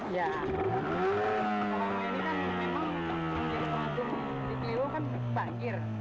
ya kalau menurut saya memang ciliwung kan banjir